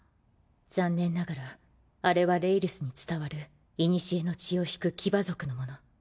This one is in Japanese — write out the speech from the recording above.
残念ながらあれはレイリスに伝わる古の血を引く騎馬族のもの。